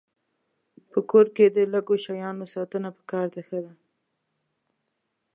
په کور کې د لږو شیانو ساتنه پکار ده ښه ده.